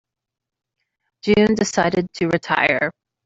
June decided to retire.